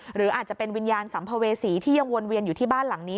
หรืออาจจะเป็นวิญญาณสัมภเวษีที่ยังวนเวียนอยู่ที่บ้านหลังนี้